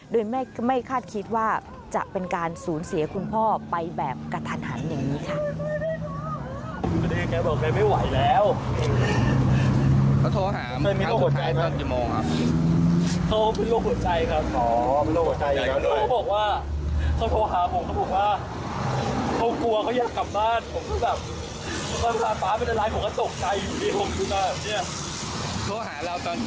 โดยไม่คาดคิดว่าจะเป็นการสูญเสียคุณพ่อไปแบบกระทันหันอย่างนี้ค่ะ